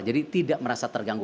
jadi tidak merasa terganggu